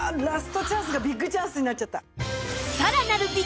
ラストチャンスがビッグチャンスになっちゃった。